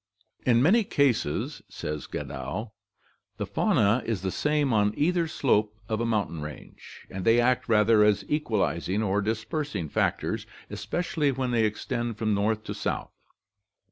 "In many cases," says Gadow, "the fauna is the same on either slope [of a mountain range], and they act rather as equalizing or dispersing factors, especially when they extend from north to south.